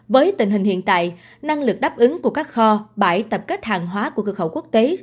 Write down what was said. với tình hình hiện tại năng lực đáp ứng của các kho bãi tập kết hàng hóa của cơ khẩu quốc tế